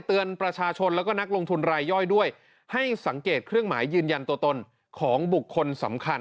เตือนประชาชนแล้วก็นักลงทุนรายย่อยด้วยให้สังเกตเครื่องหมายยืนยันตัวตนของบุคคลสำคัญ